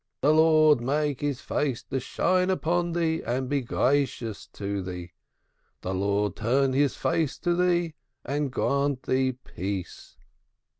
The Lord make His face to shine upon thee, and be gracious unto thee. The Lord turn His face to thee and grant thee peace.